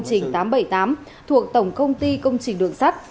trình tám trăm bảy mươi tám thuộc tổng công ty công trình đường sắt